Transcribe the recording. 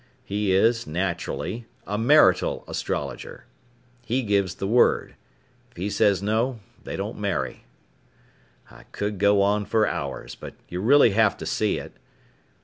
He is, naturally, a marital astrologer. He gives the word. If he says no they don't marry. "I could go on for hours. But you really have to see it.